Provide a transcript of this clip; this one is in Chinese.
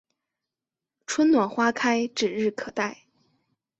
春暖花开指日可待